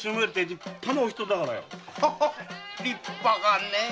立派かねぇ。